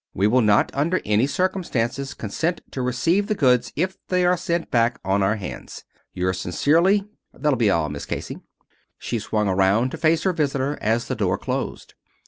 We will not under any circumstances consent to receive the goods if they are sent back on our hands. Yours sincerely. That'll be all, Miss Casey." She swung around to face her visitor as the door closed.